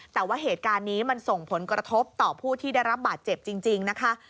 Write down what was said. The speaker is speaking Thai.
แต่ว่าเหตุการณ์นี้มันส่งผลกระทบต่อผู้ที่ได้รับบาดเจ็บจริงนะคะ